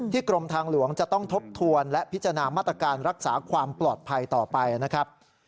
กรมทางหลวงจะต้องทบทวนและพิจารณามาตรการรักษาความปลอดภัยต่อไปนะครับ